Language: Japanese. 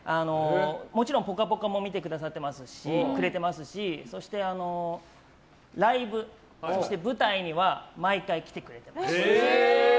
もちろん「ぽかぽか」も見てくれていますしそして、ライブ、舞台には毎回来てくれてます。